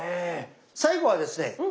最後はですね